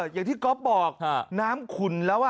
อย่างที่ก๊อฟบอกน้ำขุ่นแล้ว